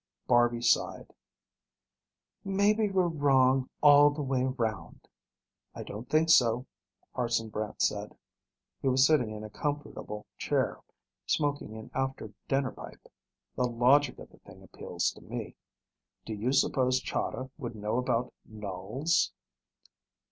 Barby sighed. "Maybe we're wrong all the way around." "I don't think so," Hartson Brant said. He was sitting in a comfortable chair, smoking an after dinner pipe. "The logic of the thing appeals to me. Do you suppose Chahda would know about nulls?"